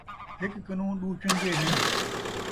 ہک کنوں ݙو چن٘ڳے ہن